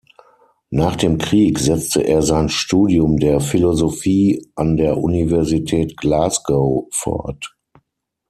Nach dem Krieg setzte er sein Studium der Philosophie an der Universität Glasgow fort.